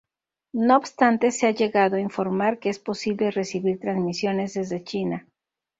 No obstante, se ha llegado a informar que es posible recibir transmisiones desde China.